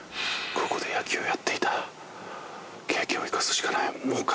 ここで野球やっていた経験を生かすしかない。